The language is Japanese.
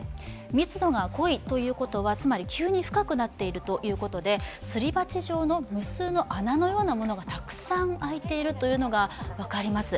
密度が濃いということは、急に深くなっているということで、すり鉢状の無数の穴のようなものがたくさん空いているのが分かります。